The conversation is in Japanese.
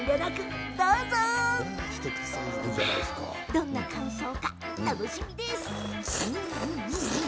どんな感想か楽しみです。